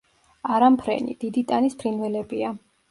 არამფრენი, დიდი ტანის ფრინველებია.